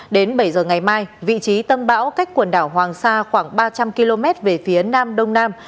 đến bảy giờ ngày mai vị trí tâm bão cách quần đảo hoàng sa khoảng ba trăm linh km về phía nam đông nam